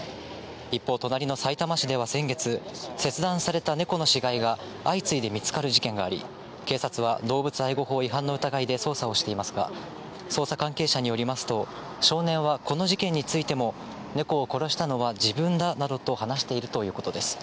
一方、隣のさいたま市では先月、切断された猫の死骸が相次いで見つかる事件があり、警察は動物愛護法違反の疑いで捜査をしていますが、捜査関係者によりますと、少年はこの事件についても、猫を殺したのは自分だなどと話しているということです。